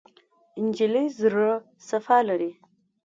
نجلۍ زړه صفا لري.